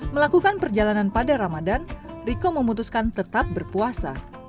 melakukan perjalanan pada ramadan riko memutuskan tetap berpuasa